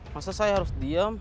masa saya harus diam